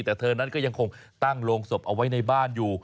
แต่เธอนั้นก็ยังคงตั้งโรงศพเอาไว้ในบ้านอยู่